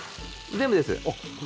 全部です。